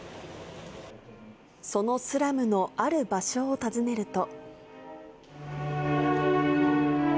そのスラムのある場所を訪ねると。